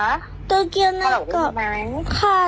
ค่ะโตเกียวเนยกรอบไหมคะ